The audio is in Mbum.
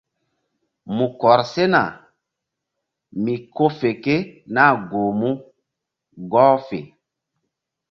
Mu kɔr sena mi ko fe ke nah goh mu gɔh fe.